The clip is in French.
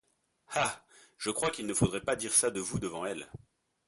Ah! je crois qu’il ne faudrait pas dire ça de vous devant elle !